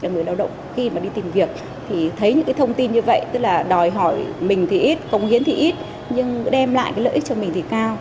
người lao động khi mà đi tìm việc thì thấy những cái thông tin như vậy tức là đòi hỏi mình thì ít công hiến thì ít nhưng đem lại cái lợi ích cho mình thì cao